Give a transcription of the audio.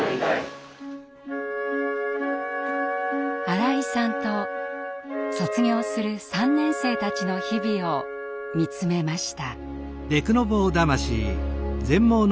新井さんと卒業する３年生たちの日々を見つめました。